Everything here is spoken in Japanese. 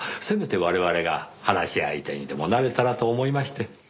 せめて我々が話し相手にでもなれたらと思いまして。